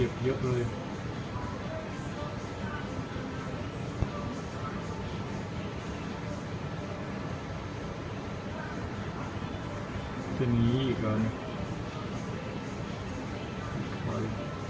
ภายในการ